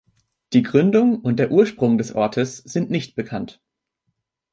Die Gründung und der Ursprung des Ortes sind nicht bekannt.